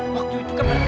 waktu itu kan mereka